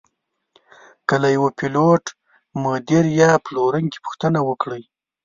که له یوه پیلوټ، مدیر یا پلورونکي پوښتنه وکړئ.